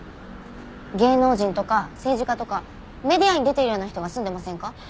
芸能人とか政治家とかメディアに出ているような人が住んでませんか？